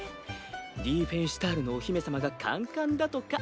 リーフェンシュタールのお姫様がカンカンだとか。